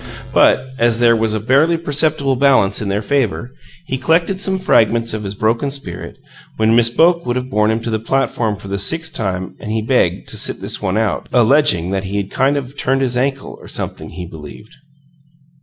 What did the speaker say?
But, as there was a barely perceptible balance in their favor, he collected some fragments of his broken spirit, when Miss Boke would have borne him to the platform for the sixth time, and begged to "sit this one out," alleging that he had "kind of turned his ankle, or something," he believed.